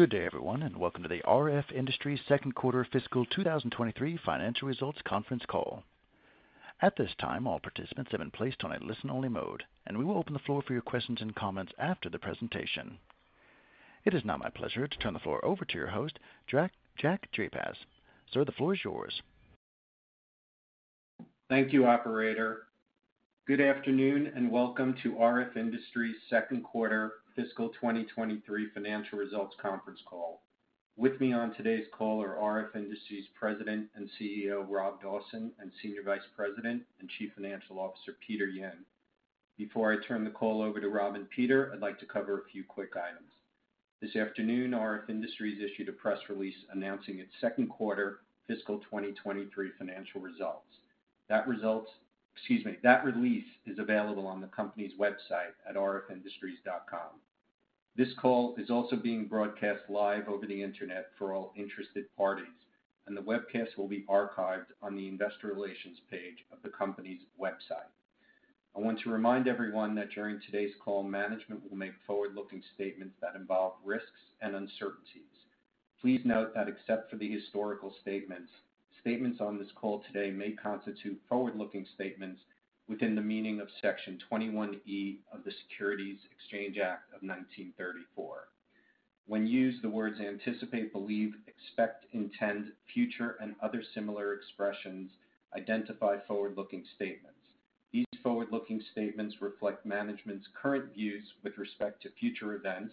Good day, everyone, welcome to the RF Industries Second Quarter Fiscal 2023 Financial Results Conference Call. At this time, all participants have been placed on a listen-only mode, and we will open the floor for your questions and comments after the presentation. It is now my pleasure to turn the floor over to your host, Jack Drapacz. Sir, the floor is yours. Thank you, operator. Good afternoon. Welcome to RF Industries Second Quarter Fiscal 2023 Financial Results conference call. With me on today's call are RF Industries President and CEO, Rob Dawson, and Senior Vice President and Chief Financial Officer, Peter Yin. Before I turn the call over to Rob and Peter, I'd like to cover a few quick items. This afternoon, RF Industries issued a press release announcing its second quarter fiscal 2023 financial results. That release is available on the company's website at rfindustries.com. This call is also being broadcast live over the internet for all interested parties, and the webcast will be archived on the investor relations page of the company's website. I want to remind everyone that during today's call, management will make forward-looking statements that involve risks and uncertainties. Please note that except for the historical statements on this call today may constitute forward-looking statements within the meaning of Section 21E of the Securities Exchange Act of 1934. When used, the words anticipate, believe, expect, intend, future, and other similar expressions identify forward-looking statements. These forward-looking statements reflect management's current views with respect to future events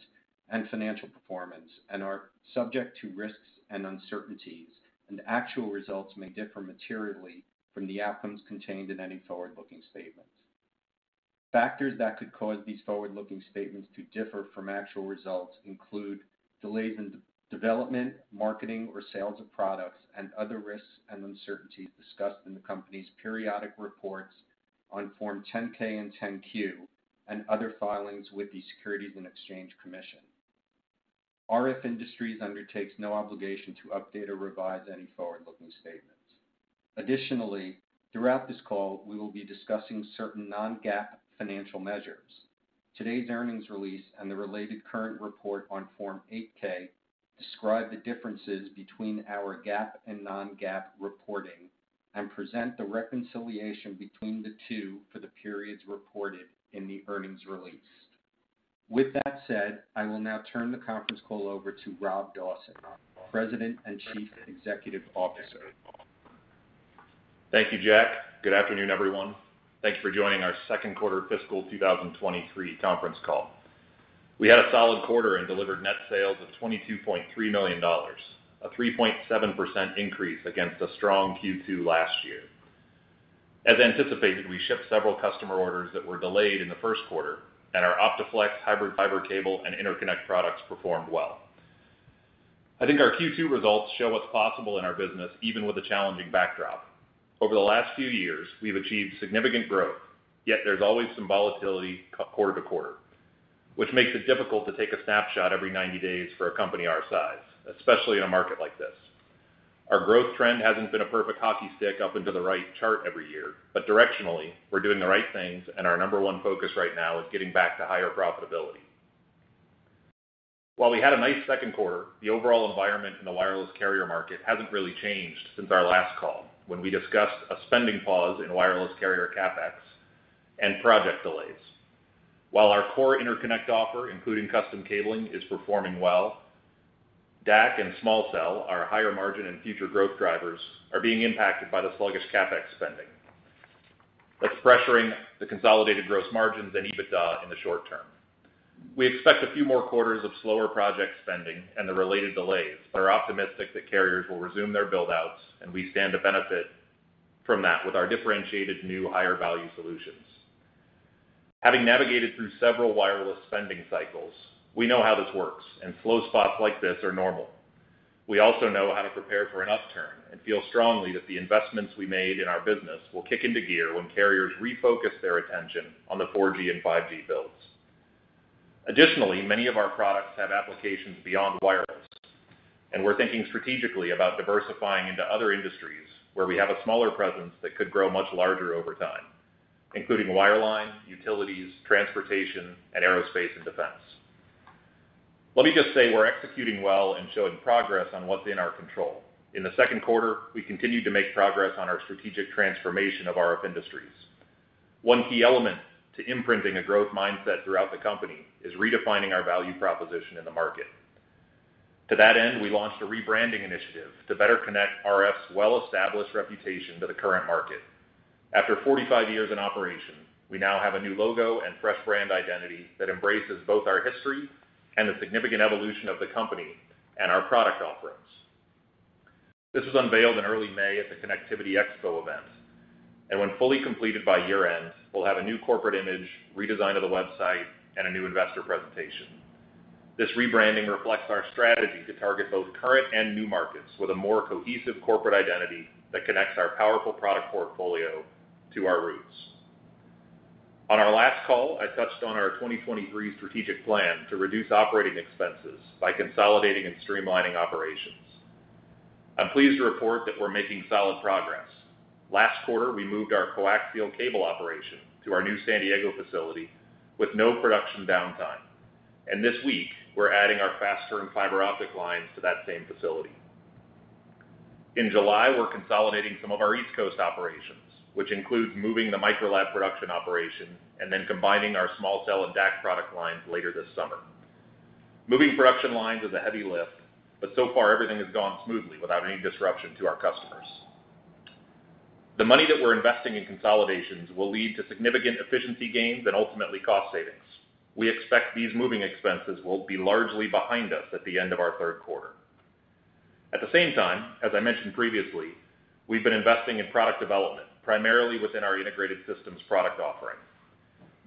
and financial performance and are subject to risks and uncertainties, and actual results may differ materially from the outcomes contained in any forward-looking statements. Factors that could cause these forward-looking statements to differ from actual results include delays in de-development, marketing, or sales of products and other risks and uncertainties discussed in the company's periodic reports on Form 10-K and 10-Q, and other filings with the Securities and Exchange Commission. RF Industries undertakes no obligation to update or revise any forward-looking statements. Additionally, throughout this call, we will be discussing certain non-GAAP financial measures. Today's earnings release and the related current report on Form 8-K describe the differences between our GAAP and non-GAAP reporting and present the reconciliation between the two for the periods reported in the earnings release. I will now turn the conference call over to Rob Dawson, President and Chief Executive Officer. Thank you, Jack. Good afternoon, everyone. Thanks for joining our second quarter fiscal 2023 conference call. We had a solid quarter and delivered net sales of $22.3 million, a 3.7% increase against a strong Q2 last year. As anticipated, we shipped several customer orders that were delayed in the first quarter, and our OptiFlex hybrid fiber cable and interconnect products performed well. I think our Q2 results show what's possible in our business, even with a challenging backdrop. Over the last few years, we've achieved significant growth, yet there's always some volatility quarter-to-quarter, which makes it difficult to take a snapshot every 90 days for a company our size, especially in a market like this. Our growth trend hasn't been a perfect hockey stick up into the right chart every year, but directionally, we're doing the right things, and our number one focus right now is getting back to higher profitability. While we had a nice second quarter, the overall environment in the wireless carrier market hasn't really changed since our last call, when we discussed a spending pause in wireless carrier CapEx and project delays. While our core interconnect offer, including custom cabling, is performing well, DAS and small cell, our higher margin and future growth drivers, are being impacted by the sluggish CapEx spending. That's pressuring the consolidated gross margins and EBITDA in the short term. We expect a few more quarters of slower project spending and the related delays, but are optimistic that carriers will resume their build-outs, and we stand to benefit from that with our differentiated, new, higher-value solutions. Having navigated through several wireless spending cycles, we know how this works, and slow spots like this are normal. We also know how to prepare for an upturn and feel strongly that the investments we made in our business will kick into gear when carriers refocus their attention on the 4G and 5G builds. Additionally, many of our products have applications beyond wireless, and we're thinking strategically about diversifying into other industries where we have a smaller presence that could grow much larger over time, including wireline, utilities, transportation, and aerospace and defense. Let me just say, we're executing well and showing progress on what's in our control. In the second quarter, we continued to make progress on our strategic transformation of RF Industries. One key element to imprinting a growth mindset throughout the company is redefining our value proposition in the market. To that end, we launched a rebranding initiative to better connect RF's well-established reputation to the current market. After 45 years in operation, we now have a new logo and fresh brand identity that embraces both our history and the significant evolution of the company and our product offerings. This was unveiled in early May at the Connectivity Expo event, and when fully completed by year-end, we'll have a new corporate image, redesign of the website, and a new investor presentation. This rebranding reflects our strategy to target both current and new markets with a more cohesive corporate identity that connects our powerful product portfolio to our roots. On our last call, I touched on our 2023 strategic plan to reduce operating expenses by consolidating and streamlining operations. I'm pleased to report that we're making solid progress. Last quarter, we moved our coaxial cable operation to our new San Diego facility with no production downtime. This week, we're adding our faster and fiber optic lines to that same facility. In July, we're consolidating some of our East Coast operations, which includes moving the Microlab production operation and then combining our small cell and DAC product lines later this summer. Moving production lines is a heavy lift, but so far everything has gone smoothly without any disruption to our customers. The money that we're investing in consolidations will lead to significant efficiency gains and ultimately cost savings. We expect these moving expenses will be largely behind us at the end of our third quarter. At the same time, as I mentioned previously, we've been investing in product development, primarily within our integrated systems product offerings.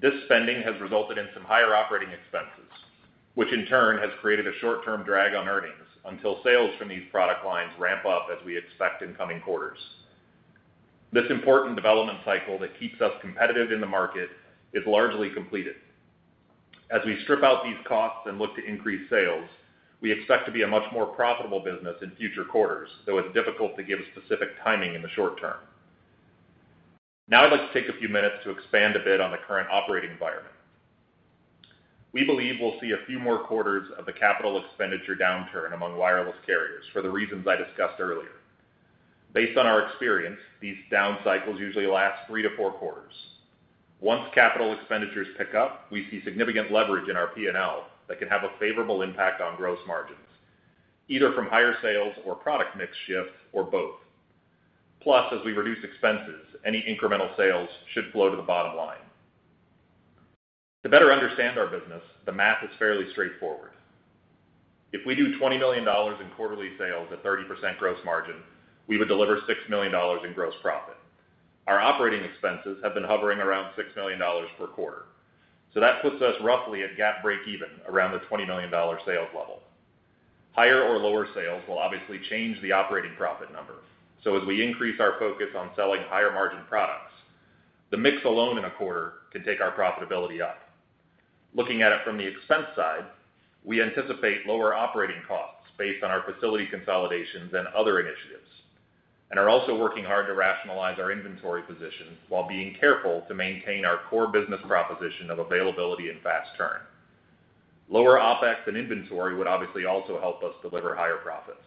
This spending has resulted in some higher operating expenses, which in turn has created a short-term drag on earnings until sales from these product lines ramp up, as we expect in coming quarters. This important development cycle that keeps us competitive in the market is largely completed. As we strip out these costs and look to increase sales, we expect to be a much more profitable business in future quarters, though it's difficult to give specific timing in the short term. Now, let's take a few minutes to expand a bit on the current operating environment. We believe we'll see a few more quarters of the CapEx downturn among wireless carriers for the reasons I discussed earlier. Based on our experience, these down cycles usually last 3 to 4 quarters. Once capital expenditures pick up, we see significant leverage in our P&L that can have a favorable impact on gross margins, either from higher sales or product mix shifts or both. As we reduce expenses, any incremental sales should flow to the bottom line. To better understand our business, the math is fairly straightforward. If we do $20 million in quarterly sales at 30% gross margin, we would deliver $6 million in gross profit. Our operating expenses have been hovering around $6 million per quarter, so that puts us roughly at GAAP breakeven around the $20 million sales level. Higher or lower sales will obviously change the operating profit number, so as we increase our focus on selling higher-margin products, the mix alone in a quarter can take our profitability up. Looking at it from the expense side, we anticipate lower operating costs based on our facility consolidations and other initiatives, and are also working hard to rationalize our inventory positions while being careful to maintain our core business proposition of availability and fast turn. Lower OpEx and inventory would obviously also help us deliver higher profits.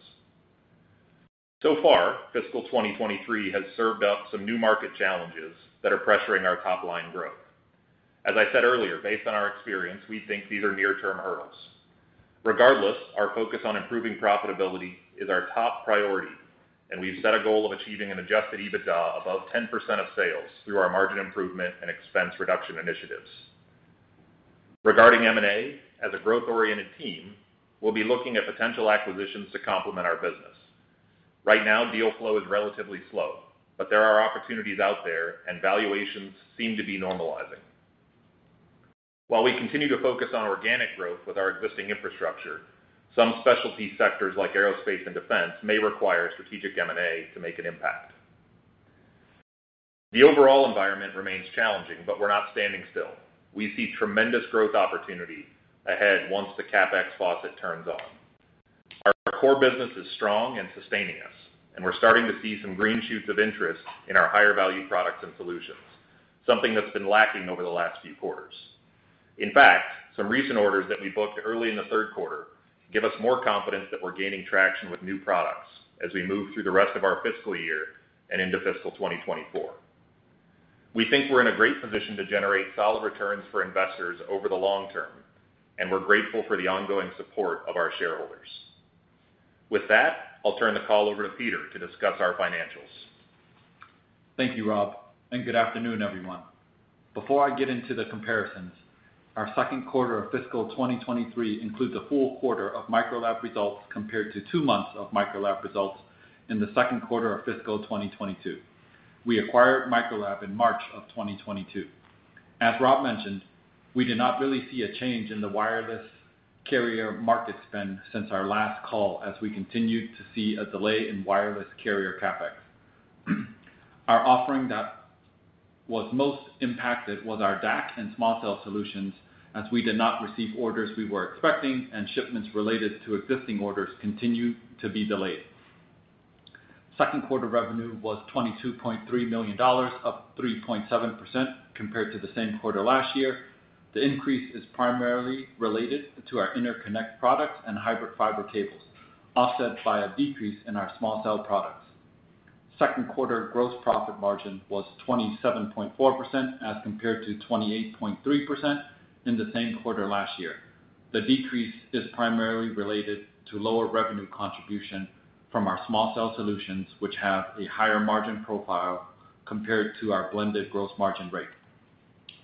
So far, fiscal 2023 has served up some new market challenges that are pressuring our top-line growth. As I said earlier, based on our experience, we think these are near-term hurdles. Regardless, our focus on improving profitability is our top priority, and we've set a goal of achieving an Adjusted EBITDA above 10% of sales through our margin improvement and expense reduction initiatives. Regarding M&A, as a growth-oriented team, we'll be looking at potential acquisitions to complement our business. Right now, deal flow is relatively slow, but there are opportunities out there, and valuations seem to be normalizing. While we continue to focus on organic growth with our existing infrastructure, some specialty sectors, like aerospace and defense, may require strategic M&A to make an impact. The overall environment remains challenging, but we're not standing still. We see tremendous growth opportunity ahead once the CapEx faucet turns on. Our core business is strong and sustaining us, and we're starting to see some green shoots of interest in our higher-value products and solutions, something that's been lacking over the last few quarters. In fact, some recent orders that we booked early in the third quarter give us more confidence that we're gaining traction with new products as we move through the rest of our fiscal year and into fiscal 2024. We think we're in a great position to generate solid returns for investors over the long term. We're grateful for the ongoing support of our shareholders. With that, I'll turn the call over to Peter to discuss our financials. Thank you, Rob. Good afternoon, everyone. Before I get into the comparisons, our second quarter of fiscal 2023 includes a full quarter of Microlab results, compared to 2 months of Microlab results in the second quarter of fiscal 2022. We acquired Microlab in March of 2022. As Rob mentioned, we did not really see a change in the wireless carrier market spend since our last call, as we continued to see a delay in wireless carrier CapEx. Our offering that was most impacted was our DAC and small cell solutions, as we did not receive orders we were expecting, and shipments related to existing orders continued to be delayed. Second quarter revenue was $22.3 million, up 3.7% compared to the same quarter last year. The increase is primarily related to our interconnect products and hybrid fiber cables, offset by a decrease in our Small Cell products. Second quarter gross profit margin was 27.4%, as compared to 28.3% in the same quarter last year. The decrease is primarily related to lower revenue contribution from our Small Cell solutions, which have a higher margin profile compared to our blended gross margin rate.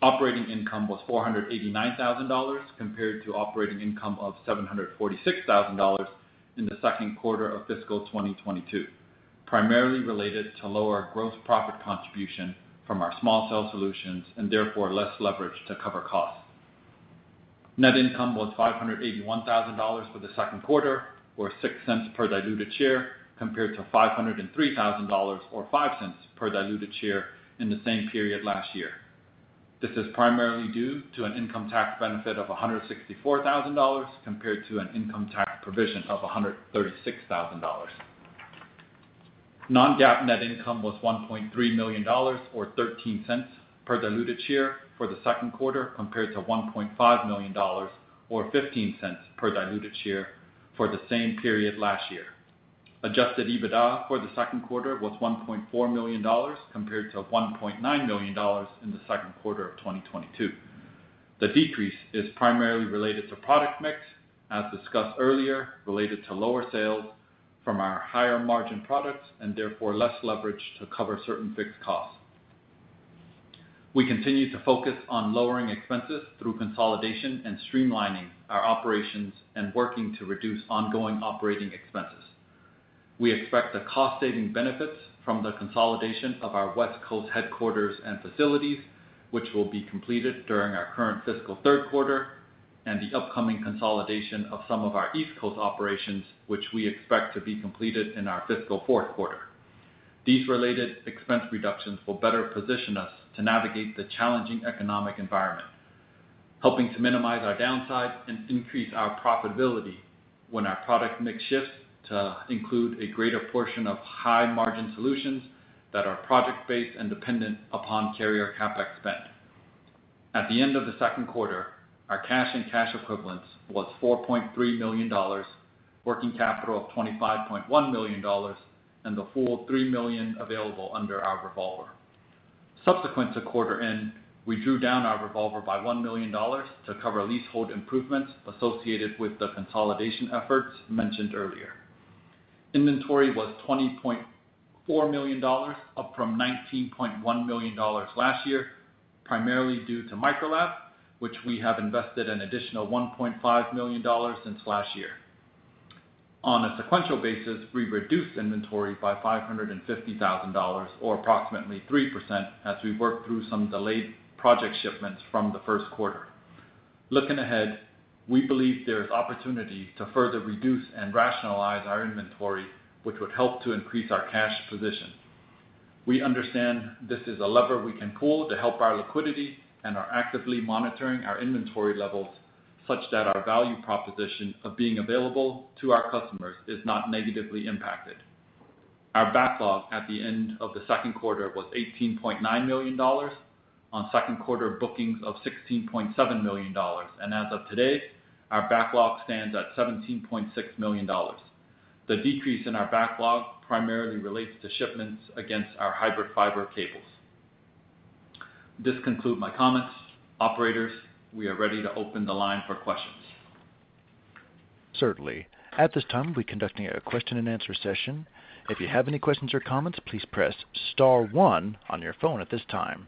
Operating income was $489,000, compared to operating income of $746,000 in the second quarter of fiscal 2022, primarily related to lower gross profit contribution from our Small Cell solutions and therefore less leverage to cover costs. Net income was $581,000 for the second quarter, or $0.06 per diluted share, compared to $503,000 or $0.05 per diluted share in the same period last year. This is primarily due to an income tax benefit of $164,000 compared to an income tax provision of $136,000. Non-GAAP net income was $1.3 million, or $0.13 per diluted share for the second quarter, compared to $1.5 million, or $0.15 per diluted share for the same period last year. Adjusted EBITDA for the second quarter was $1.4 million, compared to $1.9 million in the second quarter of 2022. The decrease is primarily related to product mix, as discussed earlier, related to lower sales from our higher-margin products, and therefore less leverage to cover certain fixed costs. We continue to focus on lowering expenses through consolidation and streamlining our operations and working to reduce ongoing operating expenses. We expect the cost-saving benefits from the consolidation of our West Coast headquarters and facilities, which will be completed during our current fiscal third quarter, and the upcoming consolidation of some of our East Coast operations, which we expect to be completed in our fiscal fourth quarter. These related expense reductions will better position us to navigate the challenging economic environment, helping to minimize our downside and increase our profitability when our product mix shifts to include a greater portion of high-margin solutions that are project-based and dependent upon carrier CapEx spend. At the end of the second quarter, our cash and cash equivalents was $4.3 million, working capital of $25.1 million, and the full $3 million available under our revolver. Subsequent to quarter end, we drew down our revolver by $1 million to cover leasehold improvements associated with the consolidation efforts mentioned earlier. Inventory was $20.4 million, up from $19.1 million last year, primarily due to Microlab, which we have invested an additional $1.5 million since last year. On a sequential basis, we reduced inventory by $550,000, or approximately 3%, as we worked through some delayed project shipments from the first quarter. Looking ahead, we believe there is opportunity to further reduce and rationalize our inventory, which would help to increase our cash position. We understand this is a lever we can pull to help our liquidity and are actively monitoring our inventory levels such that our value proposition of being available to our customers is not negatively impacted. Our backlog at the end of the second quarter was $18.9 million, on second quarter bookings of $16.7 million, and as of today, our backlog stands at $17.6 million. The decrease in our backlog primarily relates to shipments against our hybrid fiber cables. This conclude my comments. Operators, we are ready to open the line for questions. Certainly. At this time, we're conducting a question-and-answer session. If you have any questions or comments, please press star one on your phone at this time.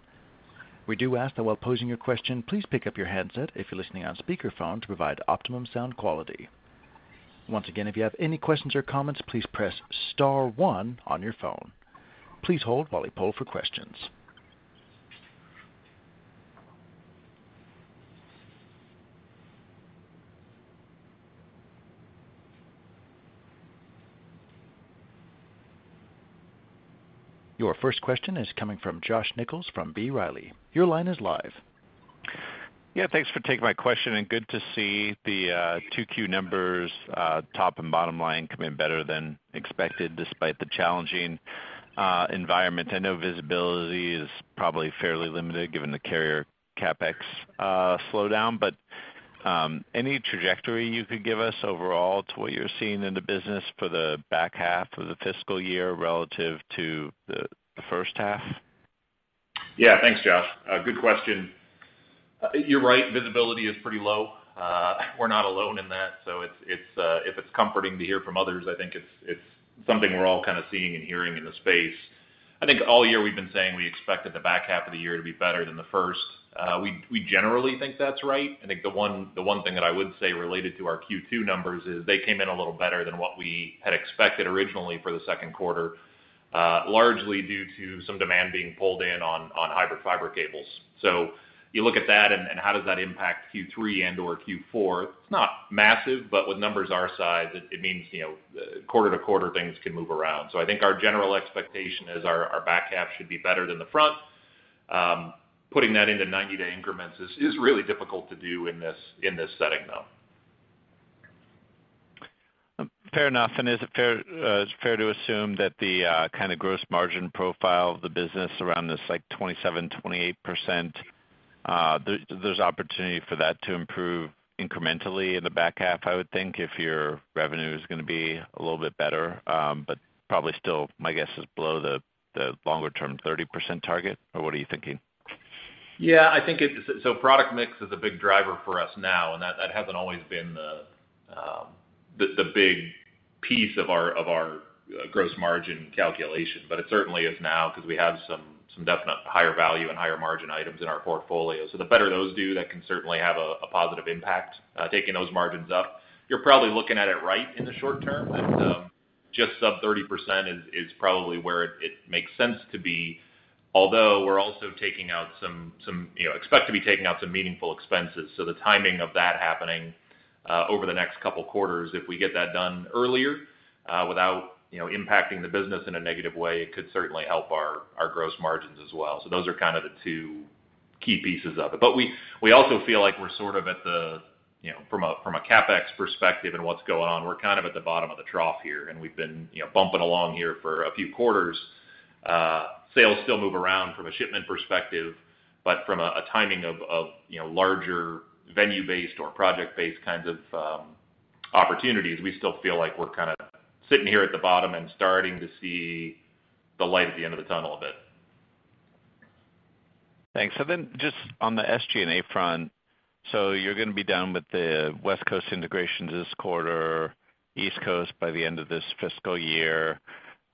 We do ask that while posing your question, please pick up your handset if you're listening on speakerphone to provide optimum sound quality. Once again, if you have any questions or comments, please press star one on your phone. Please hold while we poll for questions. Your first question is coming from Josh Nichols from B. Riley. Your line is live. Yeah, thanks for taking my question. Good to see the 2Q numbers, top and bottom line come in better than expected, despite the challenging environment. I know visibility is probably fairly limited given the carrier CapEx slowdown. Any trajectory you could give us overall to what you're seeing in the business for the back half of the fiscal year relative to the first half? Yeah. Thanks, Josh. Good question. You're right, visibility is pretty low. We're not alone in that. It's, if it's comforting to hear from others, I think it's something we're all kind of seeing and hearing in the space. I think all year we've been saying we expected the back half of the year to be better than the first. We generally think that's right. I think the one thing that I would say related to our Q2 numbers is they came in a little better than what we had expected originally for the second quarter, largely due to some demand being pulled in on hybrid fiber cables. You look at that and how does that impact Q3 and/or Q4? It's not massive, but with numbers our size, it means, you know, quarter to quarter, things can move around. I think our general expectation is our back half should be better than the front. Putting that into 90-day increments is really difficult to do in this, in this setting, though. Fair enough. Is it fair, it's fair to assume that the kind of gross margin profile of the business around this, like, 27%-28%, there's opportunity for that to improve incrementally in the back half, I would think, if your revenue is gonna be a little bit better, but probably still, my guess, is below the longer-term 30% target, or what are you thinking? I think product mix is a big driver for us now. That hasn't always been the big piece of our gross margin calculation, but it certainly is now, 'cause we have some definite higher value and higher margin items in our portfolio. The better those do, that can certainly have a positive impact, taking those margins up. You're probably looking at it right in the short term, just sub 30% is probably where it makes sense to be, although we're also taking out some, you know, expect to be taking out some meaningful expenses. The timing of that happening. over the next two quarters. If we get that done earlier, without, you know, impacting the business in a negative way, it could certainly help our gross margins as well. Those are kind of the two key pieces of it. We also feel like we're sort of at the, you know, from a, from a CapEx perspective and what's going on, we're kind of at the bottom of the trough here, and we've been, you know, bumping along here for a few quarters. Sales still move around from a shipment perspective, but from a timing of, you know, larger venue-based or project-based kinds of opportunities, we still feel like we're kind of sitting here at the bottom and starting to see the light at the end of the tunnel a bit. Thanks. Just on the SG&A front, so you're gonna be done with the West Coast integrations this quarter, East Coast by the end of this fiscal year.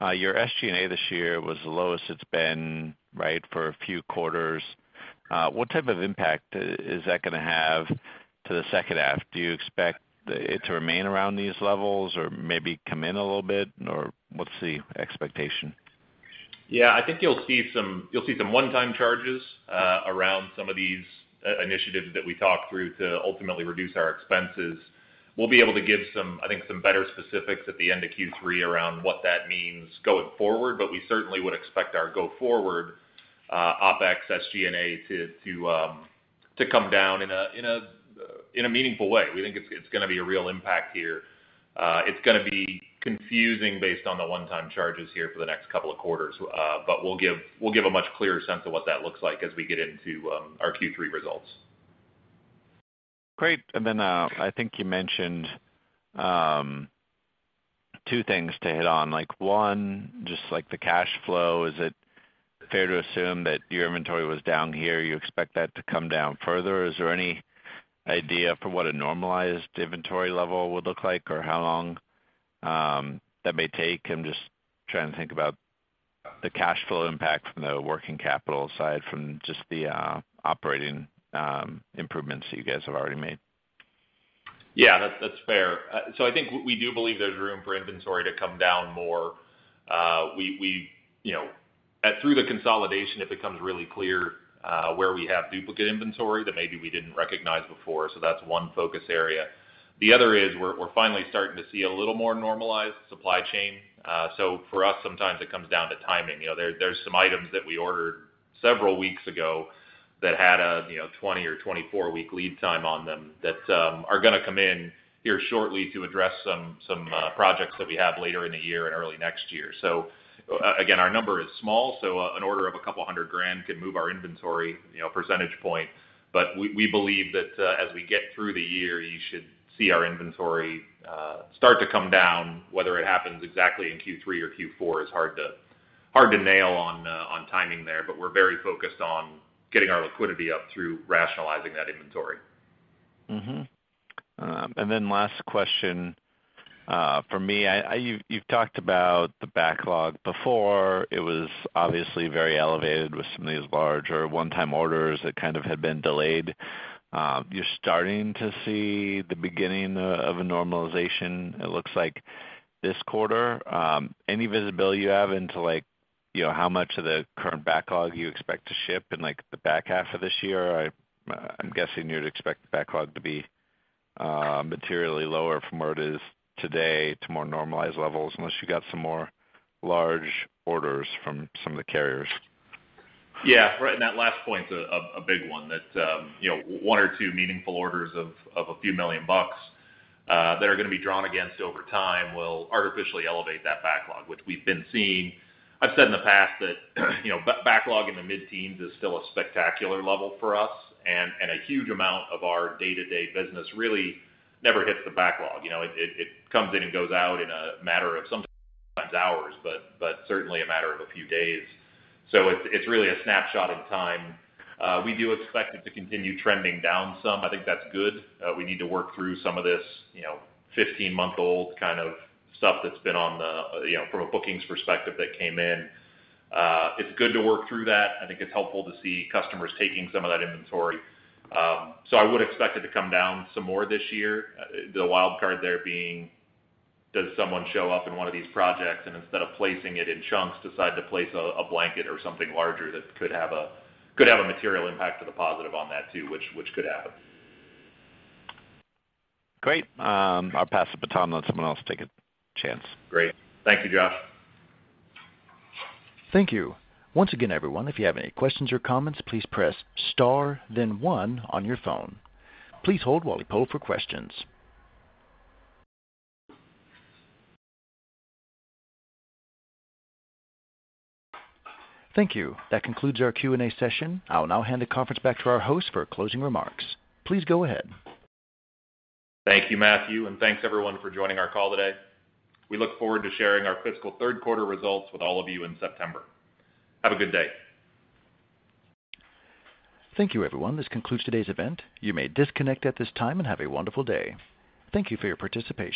Your SG&A this year was the lowest it's been, right, for a few quarters. What type of impact is that gonna have to the second half? Do you expect it to remain around these levels or maybe come in a little bit, or what's the expectation? I think you'll see some one-time charges around some of these initiatives that we talked through to ultimately reduce our expenses. We'll be able to give some, I think, some better specifics at the end of Q3 around what that means going forward, but we certainly would expect our go forward OpEx SG&A to come down in a meaningful way. We think it's gonna be a real impact here. It's gonna be confusing based on the one-time charges here for the next couple of quarters, but we'll give a much clearer sense of what that looks like as we get into our Q3 results. Great. I think you mentioned, two things to hit on, like, one, just like the cash flow, is it fair to assume that your inventory was down here, you expect that to come down further? Is there any idea for what a normalized inventory level would look like or how long, that may take? I'm just trying to think about the cash flow impact from the working capital side, from just the operating improvements that you guys have already made. Yeah, that's fair. I think we do believe there's room for inventory to come down more. We, you know. Through the consolidation, it becomes really clear where we have duplicate inventory that maybe we didn't recognize before, so that's one focus area. The other is, we're finally starting to see a little more normalized supply chain. For us, sometimes it comes down to timing. You know, there's some items that we ordered several weeks ago that had a, you know, 20 or 24 week lead time on them, that are gonna come in here shortly to address some projects that we have later in the year and early next year. Again, our number is small. An order of a couple $100 thousand can move our inventory, you know, percentage point. We believe that, as we get through the year, you should see our inventory start to come down. Whether it happens exactly in Q3 or Q4 is hard to nail on timing there, but we're very focused on getting our liquidity up through rationalizing that inventory. Mm-hmm. Last question from me. You've talked about the backlog. Before, it was obviously very elevated with some of these larger one-time orders that kind of had been delayed. You're starting to see the beginning of a normalization, it looks like, this quarter. Any visibility you have into like, you know, how much of the current backlog you expect to ship in, like, the back half of this year? I'm guessing you'd expect the backlog to be materially lower from where it is today to more normalized levels, unless you got some more large orders from some of the carriers. Yeah, right, that last point's a big one, that, you know, one or two meaningful orders of a few million dollars, that are gonna be drawn against over time will artificially elevate that backlog, which we've been seeing. I've said in the past that, you know, backlog in the mid-teens is still a spectacular level for us, and a huge amount of our day-to-day business really never hits the backlog. You know, it comes in and goes out in a matter of sometimes hours, but certainly a matter of a few days. It's really a snapshot in time. We do expect it to continue trending down some. I think that's good. We need to work through some of this, you know, 15-month-old kind of stuff that's been on the, you know, from a bookings perspective, that came in. It's good to work through that. I think it's helpful to see customers taking some of that inventory. I would expect it to come down some more this year. The wild card there being, does someone show up in one of these projects, and instead of placing it in chunks, decide to place a blanket or something larger? That could have a material impact to the positive on that too, which could happen. Great. I'll pass the baton, let someone else take a chance. Great. Thank you, Josh. Thank you. Once again, everyone, if you have any questions or comments, please press star then one on your phone. Please hold while we poll for questions. Thank you. That concludes our Q&A session. I'll now hand the conference back to our host for closing remarks. Please go ahead. Thank you, Matthew. Thanks everyone for joining our call today. We look forward to sharing our fiscal third quarter results with all of you in September. Have a good day. Thank you, everyone. This concludes today's event. You may disconnect at this time and have a wonderful day. Thank you for your participation.